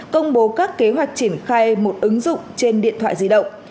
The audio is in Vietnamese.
công bố các kế hoạch triển khai một ứng dụng trên điện thoại di động